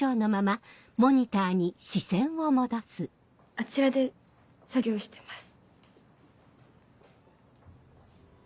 あちらで作業してます。